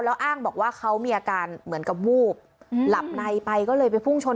แล้วอ้างบอกว่าเขามีอาการเหมือนกับวูบหลับในไปก็เลยไปพุ่งชน